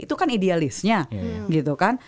itu kan idealisnya gitu kan